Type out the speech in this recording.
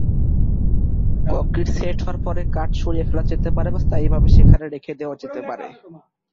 Concrete set হওয়ার পরে কাঠ সরিয়ে ফেলা হতে পারে বা স্থায়ীভাবে সেখানে রেখে দেওয়া যেতে পারে।